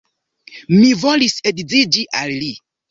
Mi volis edziĝi al li.